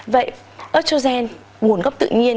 vậy estrogen nguồn gốc tự nhiên